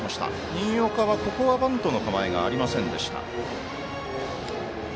新岡は、ここはバントの構えがありませんでした。